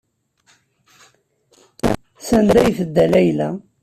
Sanda ay tedda Layla?